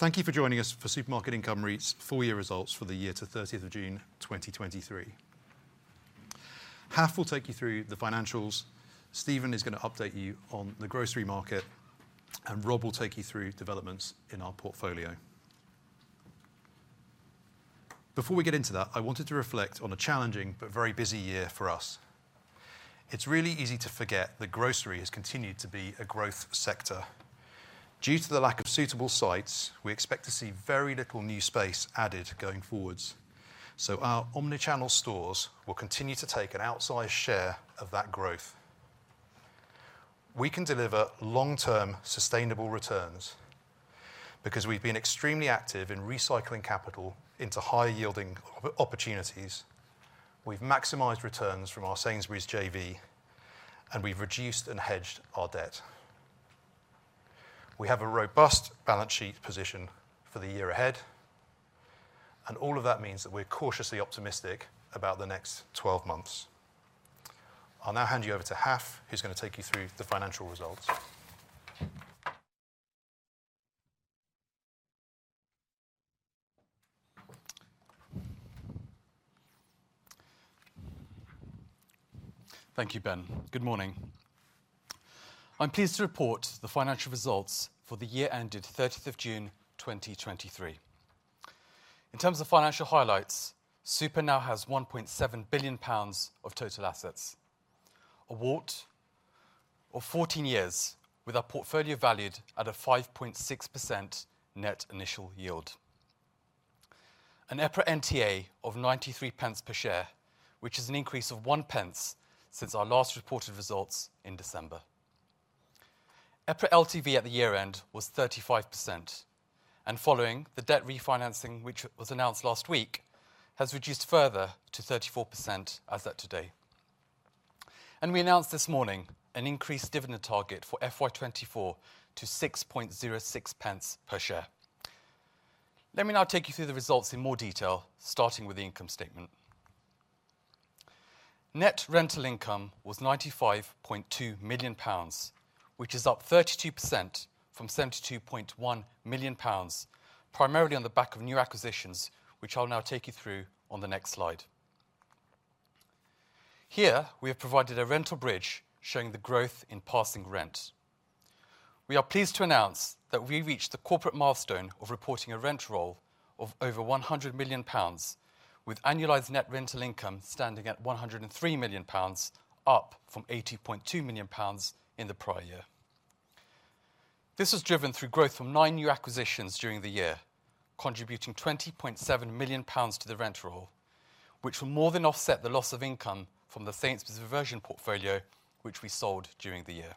Thank you for joining us for Supermarket Income REIT's full year results for the year to 30 June 2023. Haf will take you through the financials, Steven is going to update you on the grocery market, and Rob will take you through developments in our portfolio. Before we get into that, I wanted to reflect on a challenging but very busy year for us. It's really easy to forget that grocery has continued to be a growth sector. Due to the lack of suitable sites, we expect to see very little new space added going forwards, so our omni-channel stores will continue to take an outsized share of that growth. We can deliver long-term sustainable returns because we've been extremely active in recycling capital into high-yielding opportunities. We've maximized returns from our Sainsbury's JV, and we've reduced and hedged our debt. We have a robust balance sheet position for the year ahead, and all of that means that we're cautiously optimistic about the next 12 months. I'll now hand you over to Haf, who's going to take you through the financial results. Thank you, Ben. Good morning. I'm pleased to report the financial results for the year ended 30th of June, 2023. In terms of financial highlights, Super now has 1.7 billion pounds of total assets, a WAULT of 14 years, with our portfolio valued at a 5.6% net initial yield. An EPRA NTA of 0.93 per share, which is an increase of 0.01 since our last reported results in December. EPRA LTV at the year-end was 35%, and following the debt refinancing, which was announced last week, has reduced further to 34% as at today. We announced this morning an increased dividend target for FY 2024 to 0.0606 per share. Let me now take you through the results in more detail, starting with the income statement. Net rental income was 95.2 million pounds, which is up 32% from 72.1 million pounds, primarily on the back of new acquisitions, which I'll now take you through on the next slide. Here, we have provided a rental bridge showing the growth in passing rent. We are pleased to announce that we reached the corporate milestone of reporting a rent roll of over 100 million pounds, with annualized net rental income standing at 103 million pounds, up from 80.2 million pounds in the prior year. This was driven through growth from nine new acquisitions during the year, contributing 20.7 million pounds to the rent roll, which will more than offset the loss of income from the Sainsbury’s Reversion Portfolio, which we sold during the year.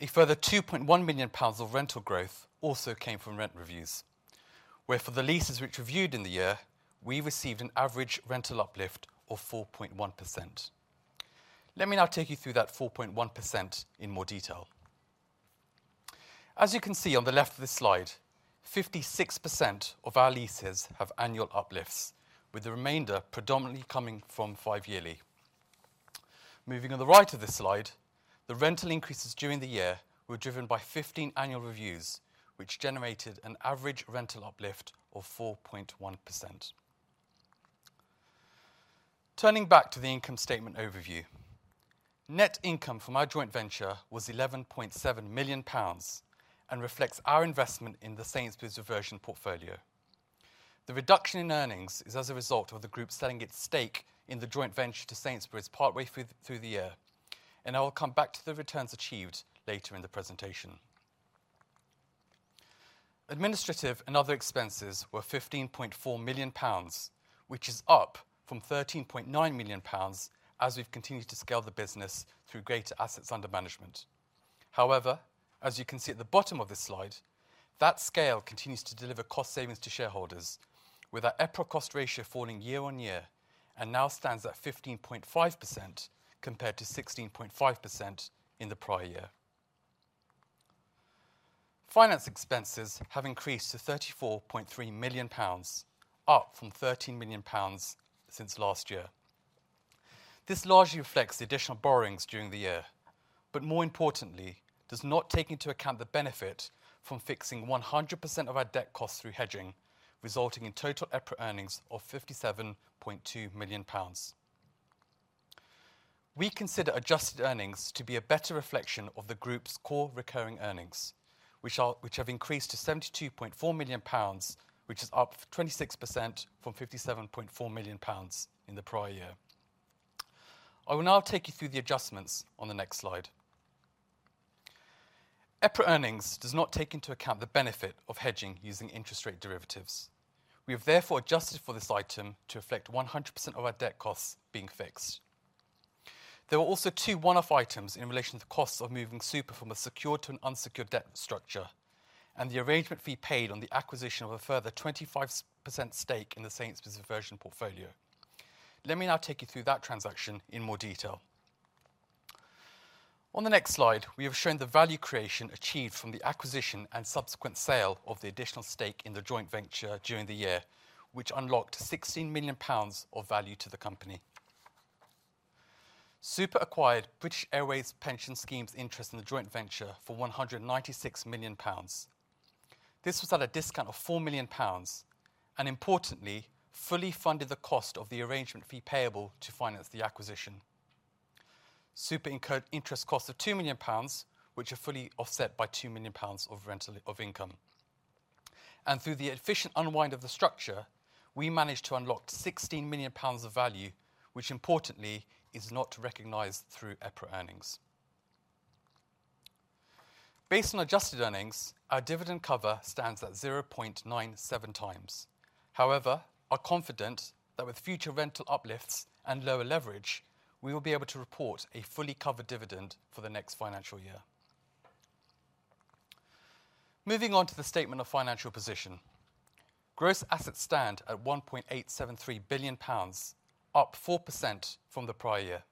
A further 2.1 million pounds of rental growth also came from rent reviews, where for the leases which reviewed in the year, we received an average rental uplift of 4.1%. Let me now take you through that 4.1% in more detail. As you can see on the left of this slide, 56% of our leases have annual uplifts, with the remainder predominantly coming from five yearly. Moving on the right of this slide, the rental increases during the year were driven by 15 annual reviews, which generated an average rental uplift of 4.1%. Turning back to the income statement overview, net income from our joint venture was 11.7 million pounds and reflects our investment in the Sainsbury’s Reversion Portfolio. The reduction in earnings is as a result of the group selling its stake in the joint venture to Sainsbury's partway through, through the year, and I will come back to the returns achieved later in the presentation. Administrative and other expenses were 15.4 million pounds, which is up from 13.9 million pounds as we've continued to scale the business through greater assets under management. However, as you can see at the bottom of this slide, that scale continues to deliver cost savings to shareholders, with our EPRA Cost Ratio falling year-on-year and now stands at 15.5%, compared to 16.5% in the prior year. Finance expenses have increased to 34.3 million pounds, up from 13 million pounds since last year. This largely reflects the additional borrowings during the year, but more importantly, does not take into account the benefit from fixing 100% of our debt costs through hedging, resulting in total EPRA earnings of 57.2 million pounds. We consider adjusted earnings to be a better reflection of the group's core recurring earnings, which have increased to 72.4 million pounds, which is up 26% from 57.4 million pounds in the prior year. I will now take you through the adjustments on the next slide. EPRA earnings does not take into account the benefit of hedging using interest rate derivatives. We have therefore adjusted for this item to reflect 100% of our debt costs being fixed. There were also two one-off items in relation to the costs of moving Super from a secured to an unsecured debt structure, and the arrangement fee paid on the acquisition of a further 25% stake in the Sainsbury’s Reversion Portfolio. Let me now take you through that transaction in more detail. On the next slide, we have shown the value creation achieved from the acquisition and subsequent sale of the additional stake in the joint venture during the year, which unlocked 16 million pounds of value to the company.... Super acquired British Airways Pension Scheme's interest in the joint venture for 196 million pounds. This was at a discount of 4 million pounds, and importantly, fully funded the cost of the arrangement fee payable to finance the acquisition. Super incurred interest costs of 2 million pounds, which are fully offset by 2 million pounds of rental income. Through the efficient unwind of the structure, we managed to unlock 16 million pounds of value, which importantly, is not recognized through EPRA earnings. Based on adjusted earnings, our dividend cover stands at 0.97 times. However, we are confident that with future rental uplifts and lower leverage, we will be able to report a fully covered dividend for the next financial year. Moving on to the statement of financial position. Gross assets stand at 1.873 billion pounds, up 4% from the prior year.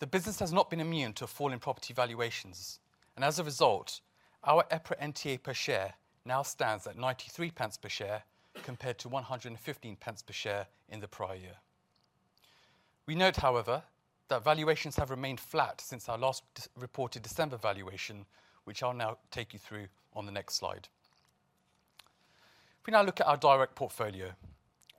The business has not been immune to a fall in property valuations, and as a result, our EPRA NTA per share now stands at 0.93 per share, compared to 1.15 per share in the prior year. We note, however, that valuations have remained flat since our last reported December valuation, which I'll now take you through on the next slide. If we now look at our direct portfolio,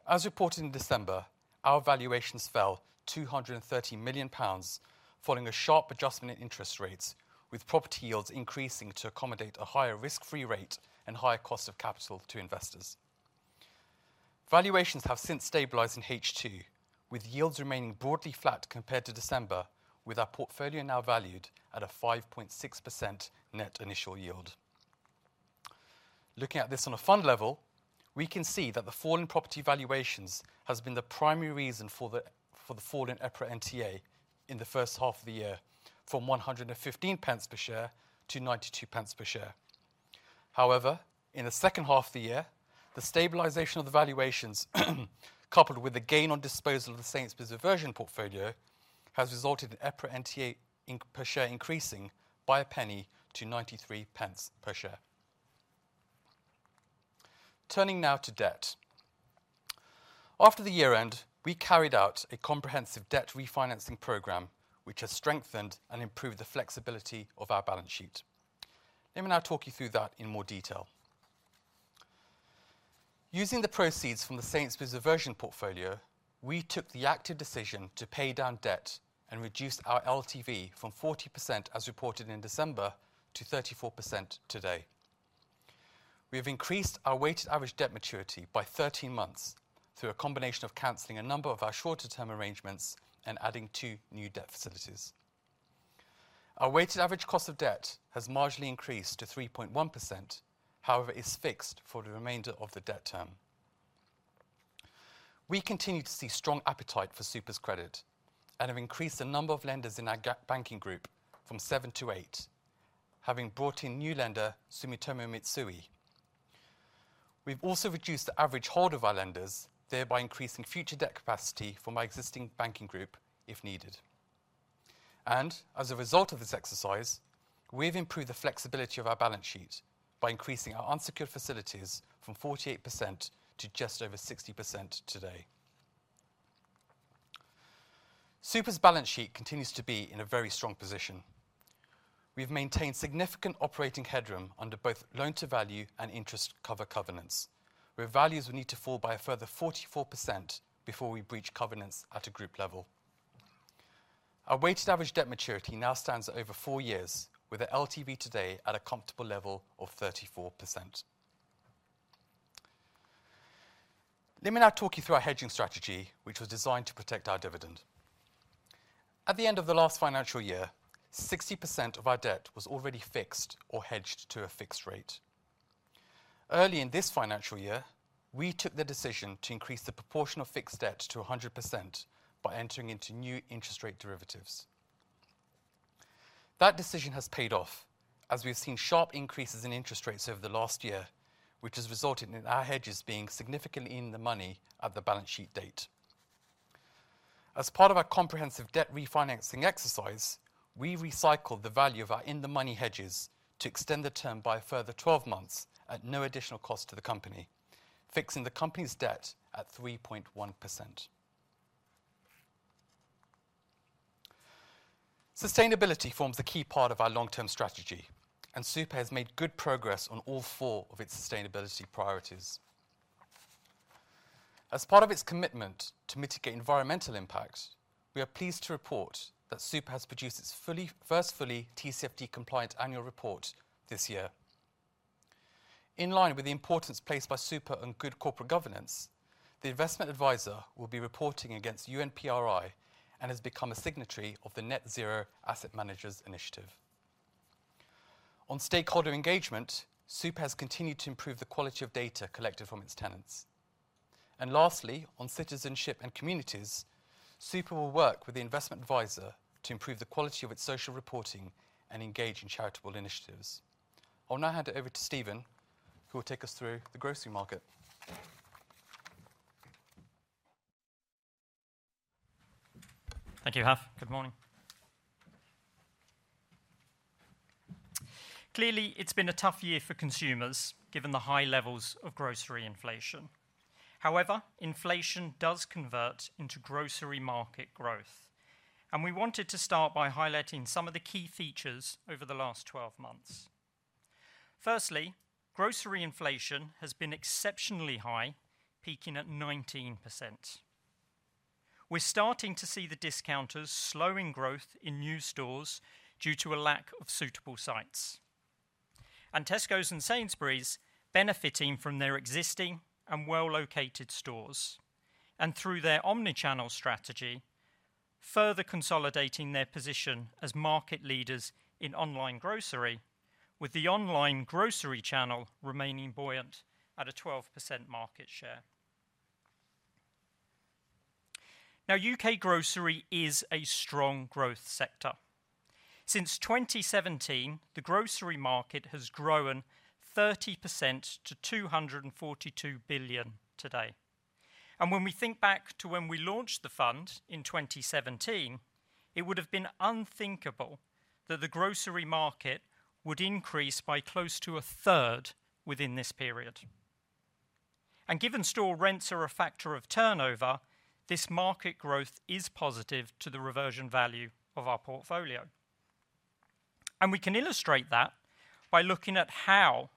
as reported in December, our valuations fell 230 million pounds, following a sharp adjustment in interest rates, with property yields increasing to accommodate a higher risk-free rate and higher cost of capital to investors. Valuations have since stabilized in H2, with yields remaining broadly flat compared to December, with our portfolio now valued at a 5.6% net initial yield. Looking at this on a fund level, we can see that the fall in property valuations has been the primary reason for the, for the fall in EPRA NTA in the first half of the year, from 115 pence per share to 92 pence per share. However, in the second half of the year, the stabilization of the valuations, coupled with a gain on disposal of the Sainsbury’s Reversion Portfolio, has resulted in EPRA NTA per share increasing by a penny to 93 pence per share. Turning now to debt. After the year end, we carried out a comprehensive debt refinancing program, which has strengthened and improved the flexibility of our balance sheet. Let me now talk you through that in more detail. Using the proceeds from the Sainsbury’s Reversion Portfolio, we took the active decision to pay down debt and reduce our LTV from 40%, as reported in December, to 34% today. We have increased our weighted average debt maturity by 13 months through a combination of canceling a number of our shorter-term arrangements and adding two new debt facilities. Our weighted average cost of debt has marginally increased to 3.1%, however, is fixed for the remainder of the debt term. We continue to see strong appetite for Super's credit and have increased the number of lenders in our banking group from seven to eight, having brought in new lender, Sumitomo Mitsui. We've also reduced the average hold of our lenders, thereby increasing future debt capacity for my existing banking group, if needed. As a result of this exercise, we've improved the flexibility of our balance sheet by increasing our unsecured facilities from 48% to just over 60% today. Super's balance sheet continues to be in a very strong position. We've maintained significant operating headroom under both loan-to-value and interest cover covenants, where values will need to fall by a further 44% before we breach covenants at a group level. Our weighted average debt maturity now stands at over four years, with the LTV today at a comfortable level of 34%. Let me now talk you through our hedging strategy, which was designed to protect our dividend. At the end of the last financial year, 60% of our debt was already fixed or hedged to a fixed rate. Early in this financial year, we took the decision to increase the proportion of fixed debt to 100% by entering into new interest rate derivatives. That decision has paid off, as we've seen sharp increases in interest rates over the last year, which has resulted in our hedges being significantly in the money at the balance sheet date. As part of our comprehensive debt refinancing exercise, we recycled the value of our in-the-money hedges to extend the term by a further 12 months at no additional cost to the company, fixing the company's debt at 3.1%. Sustainability forms a key part of our long-term strategy, and Super has made good progress on all four of its sustainability priorities. As part of its commitment to mitigate environmental impact, we are pleased to report that Super has produced its first fully TCFD compliant annual report this year. In line with the importance placed by Super on good corporate governance, the investment advisor will be reporting against UNPRI and has become a signatory of the Net Zero Asset Managers Initiative. On stakeholder engagement, Super has continued to improve the quality of data collected from its tenants. And lastly, on citizenship and communities, Super will work with the investment advisor to improve the quality of its social reporting and engage in charitable initiatives. I'll now hand it over to Steven, who will take us through the grocery market. Thank you, Haf. Good morning. Clearly, it's been a tough year for consumers, given the high levels of grocery inflation. However, inflation does convert into grocery market growth, and we wanted to start by highlighting some of the key features over the last 12 months. Firstly, grocery inflation has been exceptionally high, peaking at 19%. We're starting to see the discounters slowing growth in new stores due to a lack of suitable sites. Tescos and Sainsbury's are benefiting from their existing and well-located stores, and through their omni-channel strategy, further consolidating their position as market leaders in online grocery, with the online grocery channel remaining buoyant at a 12% market share. Now, U.K. grocery is a strong growth sector. Since 2017, the grocery market has grown 30% to 242 billion today. When we think back to when we launched the fund in 2017, it would have been unthinkable that the grocery market would increase by close to a third within this period. Given store rents are a factor of turnover, this market growth is positive to the reversion value of our portfolio. We can illustrate that by looking at how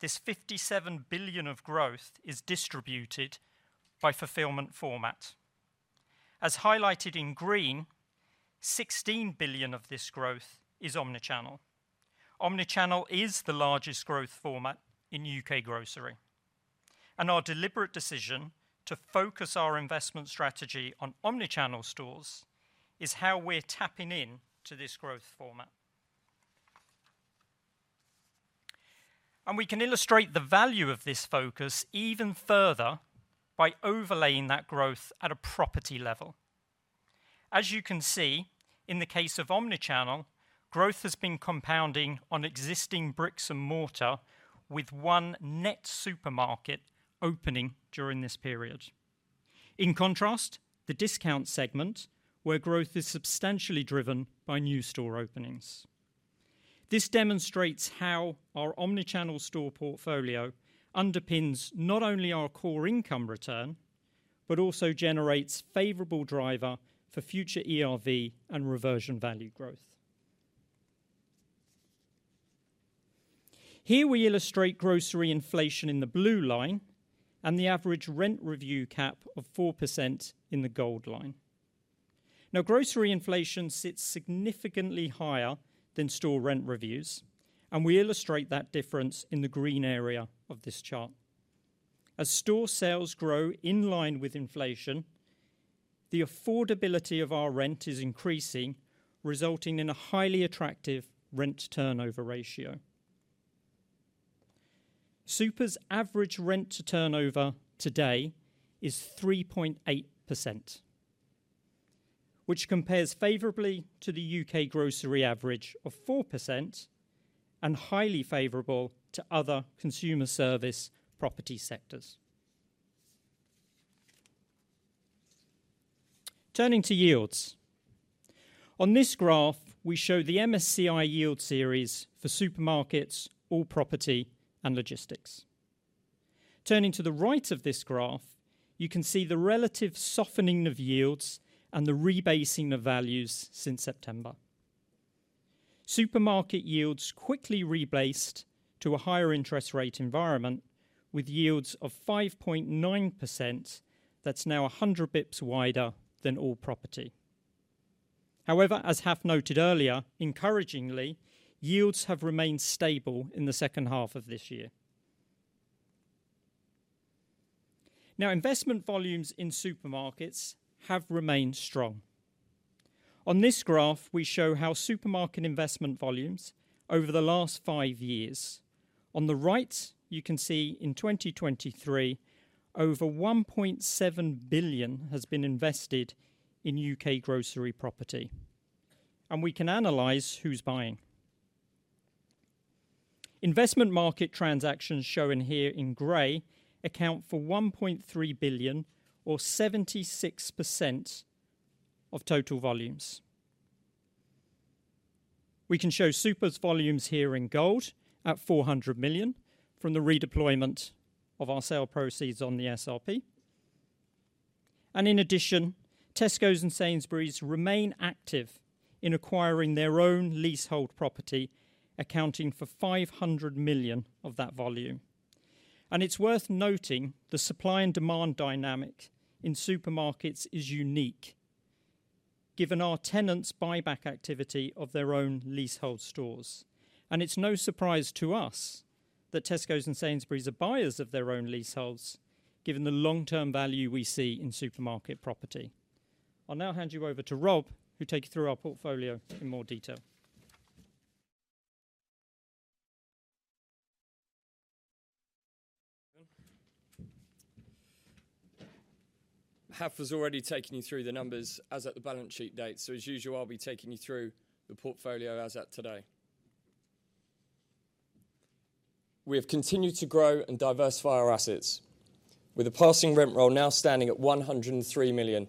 this 57 billion of growth is distributed by fulfillment format. As highlighted in green, 16 billion of this growth is omni-channel. Omni-channel is the largest growth format in U.K. grocery, and our deliberate decision to focus our investment strategy on omni-channel stores is how we're tapping in to this growth format. We can illustrate the value of this focus even further by overlaying that growth at a property level. As you can see, in the case of omni-channel, growth has been compounding on existing bricks and mortar, with one net supermarket opening during this period. In contrast, the discount segment, where growth is substantially driven by new store openings. This demonstrates how our omni-channel store portfolio underpins not only our core income return, but also generates favorable driver for future ERV and reversion value growth. Here we illustrate grocery inflation in the blue line and the average rent review cap of 4% in the gold line. Now, grocery inflation sits significantly higher than store rent reviews, and we illustrate that difference in the green area of this chart. As store sales grow in line with inflation, the affordability of our rent is increasing, resulting in a highly attractive rent turnover ratio. Super's average rent to turnover today is 3.8%, which compares favorably to the UK grocery average of 4% and highly favorable to other consumer service property sectors. Turning to yields. On this graph, we show the MSCI yield series for supermarkets, all property, and logistics. Turning to the right of this graph, you can see the relative softening of yields and the rebasing of values since September. Supermarket yields quickly rebased to a higher interest rate environment with yields of 5.9%, that's now a hundred basis points wider than all property. However, as Haf noted earlier, encouragingly, yields have remained stable in the second half of this year. Now, investment volumes in supermarkets have remained strong. On this graph, we show how supermarket investment volumes over the last five years. On the right, you can see in 2023, over 1.7 billion has been invested in U.K. grocery property, and we can analyze who's buying. Investment market transactions, shown here in gray, account for 1.3 billion or 76% of total volumes. We can show Super's volumes here in gold at 400 million from the redeployment of our sale proceeds on the SRP. In addition, Tescos and Sainsbury's remain active in acquiring their own leasehold property, accounting for 500 million of that volume. It's worth noting the supply and demand dynamic in supermarkets is unique, given our tenants' buyback activity of their own leasehold stores. It's no surprise to us that Tescos and Sainsbury's are buyers of their own leaseholds, given the long-term value we see in supermarket property. I'll now hand you over to Rob, who'll take you through our portfolio in more detail. Haf has already taken you through the numbers as at the balance sheet date, so as usual, I'll be taking you through the portfolio as at today. We have continued to grow and diversify our assets, with a passing rent roll now standing at 103 million,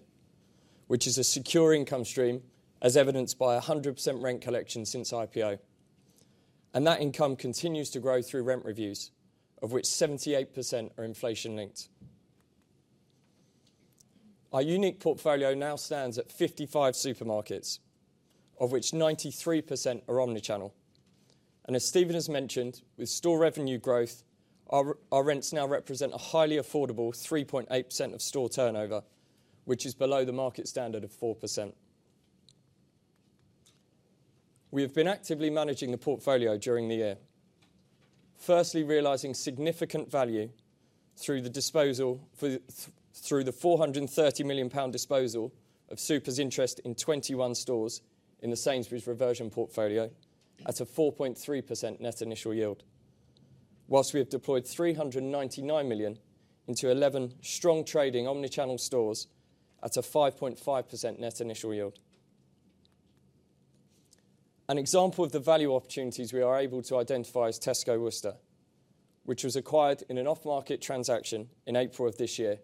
which is a secure income stream, as evidenced by 100% rent collection since IPO. And that income continues to grow through rent reviews, of which 78% are inflation linked. Our unique portfolio now stands at 55 supermarkets, of which 93% are omni-channel. And as Steven has mentioned, with store revenue growth, our rents now represent a highly affordable 3.8% of store turnover, which is below the market standard of 4%. We have been actively managing the portfolio during the year. Firstly, realizing significant value through the disposal through the 430 million pound disposal of Super's interest in 21 stores in the Sainsbury’s Reversion Portfolio, at a 4.3% net initial yield. Whilst we have deployed 399 million into 11 strong trading omni-channel stores at a 5.5% net initial yield. An example of the value opportunities we are able to identify is Tesco Worcester, which was acquired in an off-market transaction in April of this year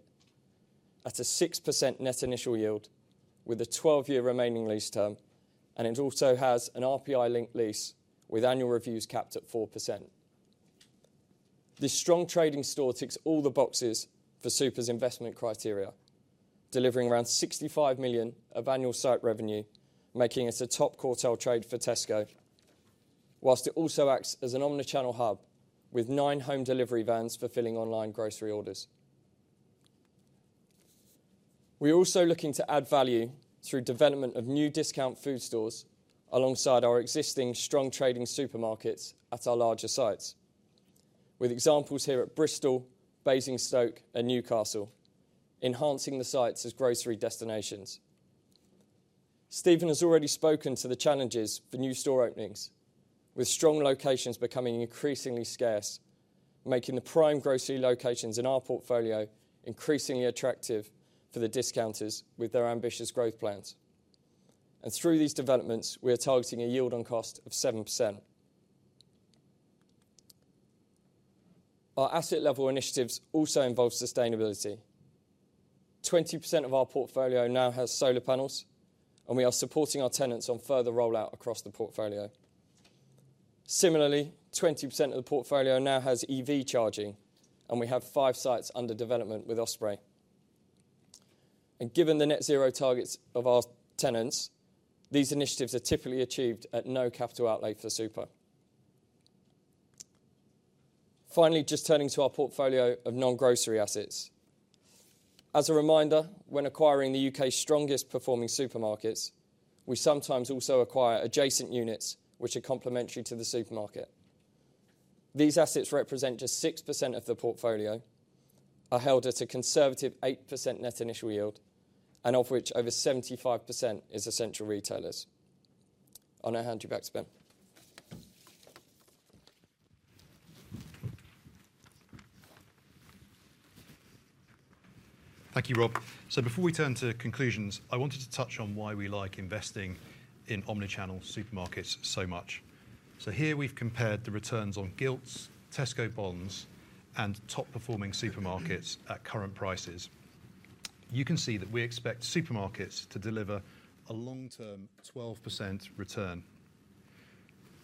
at a 6% net initial yield, with a 12-year remaining lease term, and it also has an RPI-linked lease with annual reviews capped at 4%. This strong trading store ticks all the boxes for Super's investment criteria, delivering around 65 million of annual site revenue, making it a top quartile trade for Tesco. Whilst it also acts as an omni-channel hub, with nine home delivery vans fulfilling online grocery orders. We are also looking to add value through development of new discount food stores, alongside our existing strong trading supermarkets at our larger sites. With examples here at Bristol, Basingstoke, and Newcastle, enhancing the sites as grocery destinations. Steven has already spoken to the challenges for new store openings, with strong locations becoming increasingly scarce, making the prime grocery locations in our portfolio increasingly attractive for the discounters with their ambitious growth plans. And through these developments, we are targeting a yield on cost of 7%. Our asset level initiatives also involve sustainability. 20% of our portfolio now has solar panels, and we are supporting our tenants on further rollout across the portfolio. Similarly, 20% of the portfolio now has EV charging, and we have five sites under development with Osprey. Given the net zero targets of our tenants, these initiatives are typically achieved at no capital outlay for Supermarket Income REIT. Finally, just turning to our portfolio of non-grocery assets. As a reminder, when acquiring the U.K.'s strongest performing supermarkets, we sometimes also acquire adjacent units which are complementary to the supermarket. These assets represent just 6% of the portfolio, are held at a conservative 8% net initial yield, and of which over 75% is essential retailers. I now hand you back to Ben. Thank you, Rob. So before we turn to conclusions, I wanted to touch on why we like investing in omni-channel supermarkets so much. So here we've compared the returns on gilts, Tesco bonds, and top-performing supermarkets at current prices. You can see that we expect supermarkets to deliver a long-term 12% return.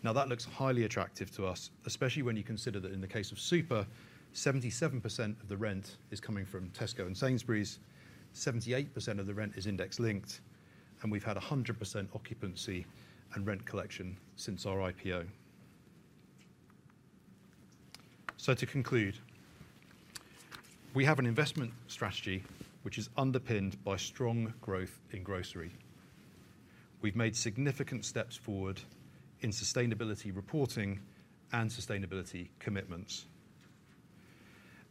Now, that looks highly attractive to us, especially when you consider that in the case of Super, 77% of the rent is coming from Tesco and Sainsbury's, 78% of the rent is index-linked, and we've had 100% occupancy and rent collection since our IPO. So to conclude, we have an investment strategy which is underpinned by strong growth in grocery. We've made significant steps forward in sustainability reporting and sustainability commitments,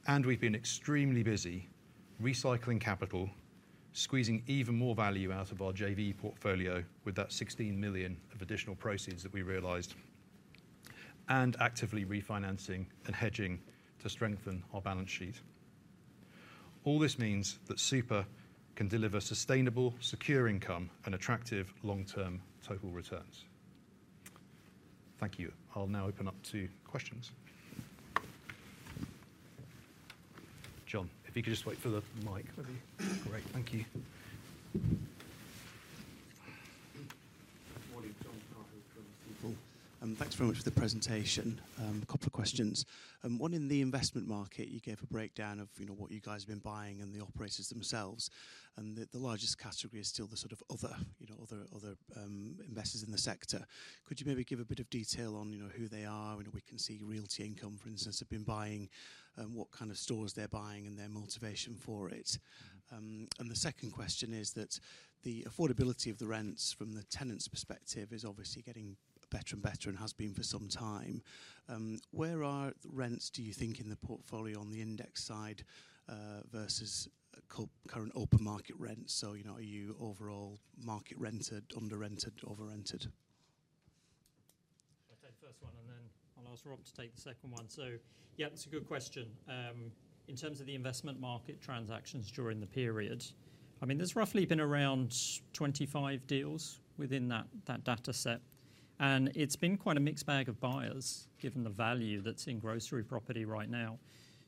and we've been extremely busy recycling capital, squeezing even more value out of our JV portfolio with that 16 million of additional proceeds that we realized, and actively refinancing and hedging to strengthen our balance sheet. All this means that Super can deliver sustainable, secure income and attractive long-term total returns. Thank you. I'll now open up to questions. John, if you could just wait for the mic, that'd be great. Thank you. Good morning, John Cahill from Stifel. Thanks very much for the presentation. A couple of questions. One, in the investment market, you gave a breakdown of, you know, what you guys have been buying and the operators themselves, and the largest category is still the sort of other, you know, other, other, investors in the sector. Could you maybe give a bit of detail on, you know, who they are? We know we can see Realty Income, for instance, have been buying, what kind of stores they're buying and their motivation for it. And the second question is that the affordability of the rents from the tenant's perspective is obviously getting better and better and has been for some time. Where are rents, do you think, in the portfolio on the index side, versus current open market rents? You know, are you overall market rented, under rented, over rented? I'll take the first one, and then I'll ask Rob to take the second one. So yeah, it's a good question. In terms of the investment market transactions during the period, I mean, there's roughly been around 25 deals within that data set. It's been quite a mixed bag of buyers, given the value that's in grocery property right now.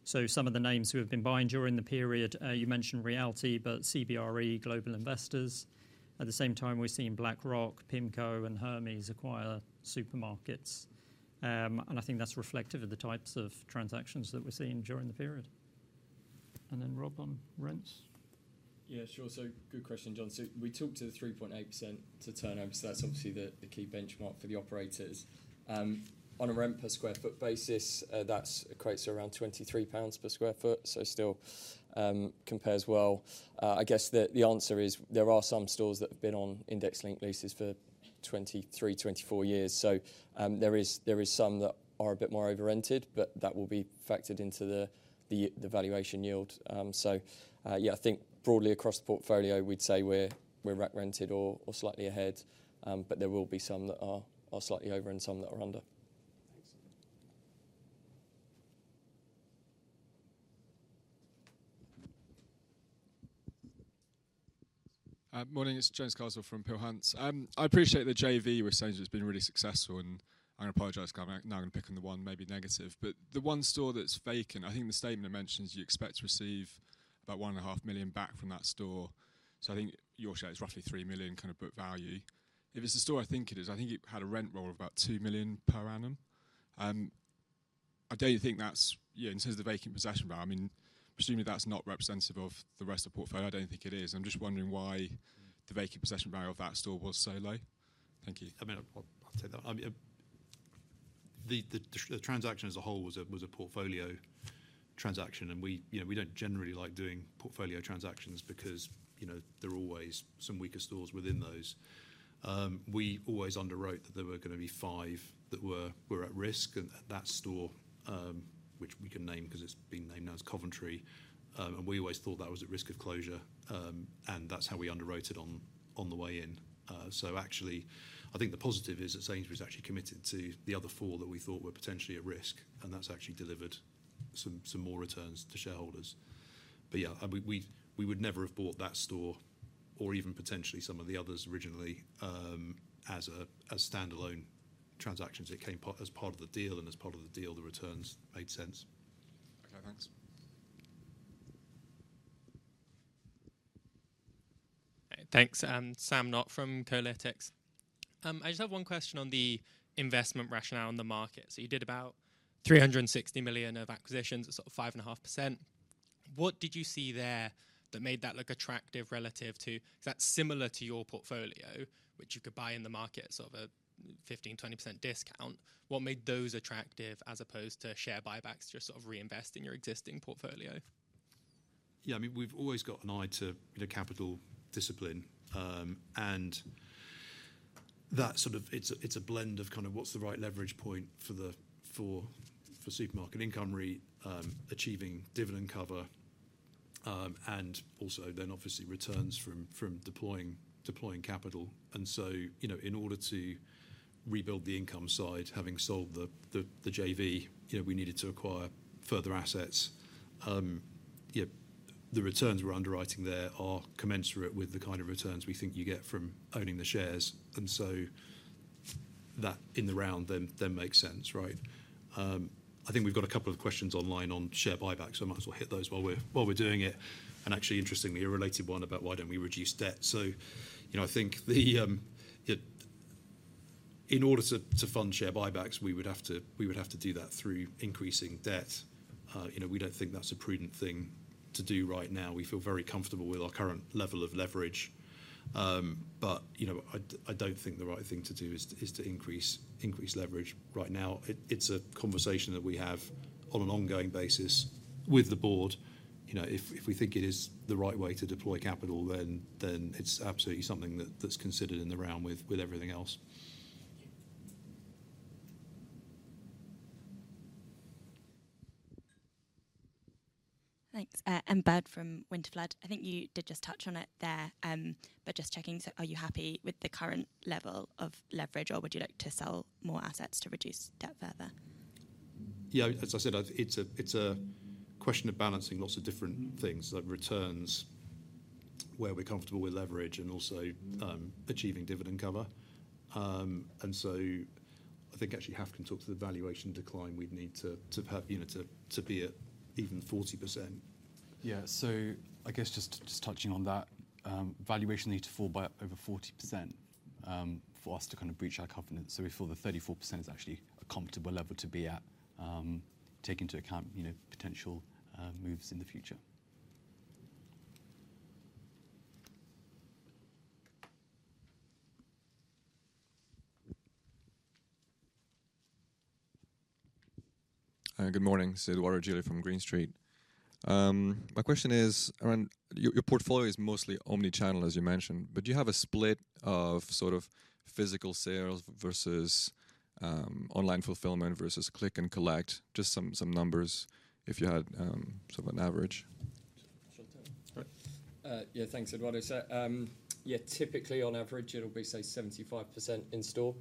So some of the names who have been buying during the period, you mentioned Realty, but CBRE Global Investors. At the same time, we've seen BlackRock, PIMCO, and Hermes acquire supermarkets. And I think that's reflective of the types of transactions that we're seeing during the period. And then Rob, on rents? Yeah, sure. So good question, John. So we talked to the 3.8% to turnover, so that's obviously the key benchmark for the operators. On a rent per square foot basis, that equates to around 23 pounds per sq ft, so still compares well. I guess the answer is, there are some stores that have been on index-linked leases for 23-24 years. So, there is some that are a bit more over-rented, but that will be factored into the valuation yield. So, yeah, I think broadly across the portfolio, we'd say we're rent-rented or slightly ahead. But there will be some that are slightly over and some that are under. Morning, it's James Carswell from Peel Hunt. I appreciate the JV with Sainsbury's has been really successful, and I apologize because I'm now gonna pick on the one maybe negative. But the one store that's vacant, I think the statement mentions you expect to receive about 1.5 million back from that store, so I think your share is roughly 3 million kind of book value. If it's the store I think it is, I think it had a rent roll of about 2 million per annum. I don't think that's... Yeah, in terms of the vacant possession value, I mean, presumably that's not representative of the rest of the portfolio. I don't think it is. I'm just wondering why the vacant possession value of that store was so low. Thank you. I mean, I'll, I'll say that. The transaction as a whole was a portfolio transaction, and we, you know, we don't generally like doing portfolio transactions because, you know, there are always some weaker stores within those. We always underwrote that there were gonna be five that were at risk, and that store, which we can name 'cause it's been named now as Coventry, and we always thought that was at risk of closure. And that's how we underwrote it on the way in. So actually, I think the positive is that Sainsbury's actually committed to the other four that we thought were potentially at risk, and that's actually delivered some more returns to shareholders. But yeah, and we would never have bought that store or even potentially some of the others originally, as standalone transactions. It came as part of the deal, and as part of the deal, the returns made sense. Okay, thanks. Thanks. Sam Knott from Kolytics. I just have one question on the investment rationale in the market. So you did about 360 million of acquisitions, at sort of 5.5%. What did you see there that made that look attractive relative to... If that's similar to your portfolio, which you could buy in the market at sort of a 15%-20% discount, what made those attractive as opposed to share buybacks to just sort of reinvest in your existing portfolio? Yeah, I mean, we've always got an eye to, you know, capital discipline, and that sort of—it's a, it's a blend of kind of what's the right leverage point for the, for, for Supermarket Income REIT, achieving dividend cover, and also then obviously returns from, from deploying, deploying capital. And so, you know, in order to rebuild the income side, having sold the JV, you know, we needed to acquire further assets. Yet the returns we're underwriting there are commensurate with the kind of returns we think you get from owning the shares, and so that in the round then, then makes sense, right? I think we've got a couple of questions online on share buyback, so I might as well hit those while we're, while we're doing it. And actually, interestingly, a related one about why don't we reduce debt? So, you know, I think in order to fund share buybacks, we would have to do that through increasing debt. You know, we don't think that's a prudent thing to do right now. We feel very comfortable with our current level of leverage, but, you know, I don't think the right thing to do is to increase leverage right now. It's a conversation that we have on an ongoing basis with the board. You know, if we think it is the right way to deploy capital, then it's absolutely something that's considered in the round with everything else. Thanks. Emma Bird from Winterflood. I think you did just touch on it there, but just checking, so are you happy with the current level of leverage, or would you like to sell more assets to reduce debt further? Yeah, as I said, it's a question of balancing lots of different things, like returns, where we're comfortable with leverage, and also achieving dividend cover. And so I think actually Haf can talk to the valuation decline we'd need to, you know, to be at even 40%. Yeah. So I guess just touching on that, valuation need to fall by over 40%, for us to kind of breach our covenant. So we feel that 34% is actually a comfortable level to be at, take into account, you know, potential moves in the future. Good morning. It's Edoardo Gili from Green Street. My question is around, your, your portfolio is mostly omni-channel, as you mentioned, but do you have a split of sort of physical sales versus, online fulfillment versus click and collect? Just some numbers, if you had, sort of an average. Sure. All right. Yeah, thanks, Eduardo. So, yeah, typically, on average, it'll be, say, 75% in-store,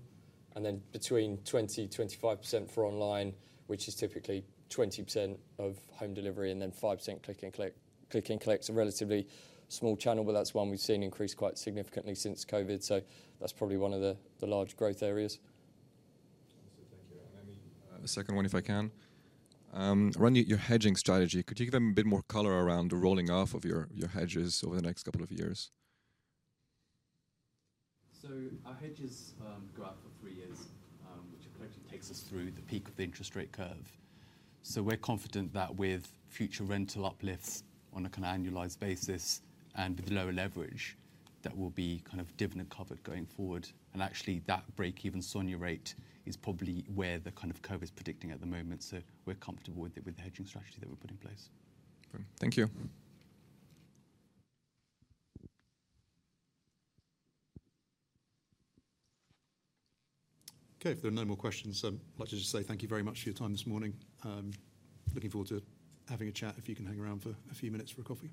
and then between 20-25% for online, which is typically 20% of home delivery, and then 5% click and collect. Click and collect is a relatively small channel, but that's one we've seen increase quite significantly since COVID, so that's probably one of the large growth areas. Thank you. And maybe, a second one, if I can. Around your, your hedging strategy, could you give a bit more color around the rolling off of your, your hedges over the next couple of years? So our hedges go out for three years, which actually takes us through the peak of the interest rate curve. So we're confident that with future rental uplifts on a kind of annualized basis, and with lower leverage, that we'll be kind of dividend covered going forward. And actually, that break-even SONIA rate is probably where the kind of curve is predicting at the moment, so we're comfortable with the, with the hedging strategy that we've put in place. Thank you. Okay, if there are no more questions, I'd like to just say thank you very much for your time this morning. Looking forward to having a chat, if you can hang around for a few minutes for a coffee.